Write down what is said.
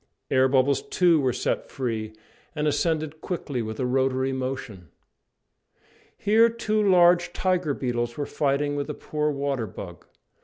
Air bubbles, too, were set free, and ascended quickly with a rotary motion. Here two large tiger beetles were fighting with a poor water bug.